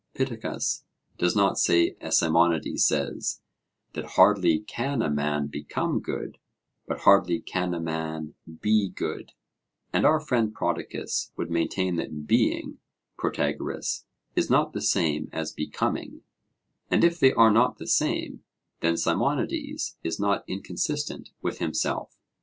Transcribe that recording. Pittacus does not say as Simonides says, that hardly can a man become good, but hardly can a man be good: and our friend Prodicus would maintain that being, Protagoras, is not the same as becoming; and if they are not the same, then Simonides is not inconsistent with himself.